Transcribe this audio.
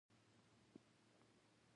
ایا زه باید په بیړه ډوډۍ وخورم؟